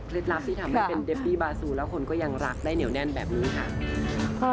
ลับที่ทำให้เป็นเดฟบี้บาซูแล้วคนก็ยังรักได้เหนียวแน่นแบบนี้ค่ะ